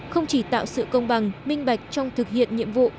không chỉ tạo sự công bằng minh bạch trong thực hiện nhiệm vụ